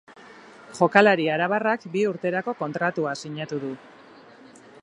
Jokalari arabarrak bi urterako kontratua sinatu du.